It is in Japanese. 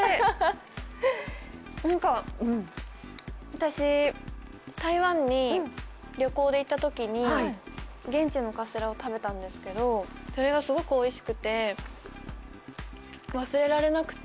私、台湾に旅行で行ったときに現地のカステラを食べたんですけどそれがすごくおいしくて、忘れられなくて。